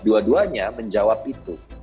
dua duanya menjawab itu